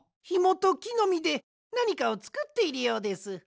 ひもときのみでなにかをつくっているようです。